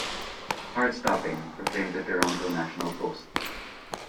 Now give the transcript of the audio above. "Heartstopping," proclaimed the "Toronto National Post".